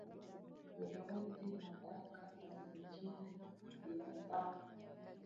mionzi na taka za mijini Binadamu ana shughuli anuwai za kiuchumi